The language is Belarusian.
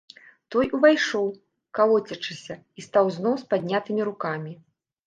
Той увайшоў, калоцячыся, і стаў зноў з паднятымі рукамі.